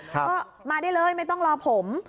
ก็มาได้เลยไม่ต้องรอผม